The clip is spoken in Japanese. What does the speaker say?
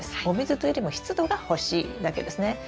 お水というよりも湿度が欲しいだけですね。